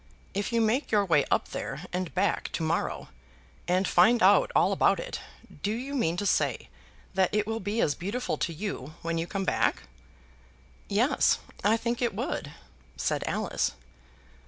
If you make your way up there and back to morrow, and find out all about it, do you mean to say that it will be as beautiful to you when you come back?" "Yes; I think it would," said Alice.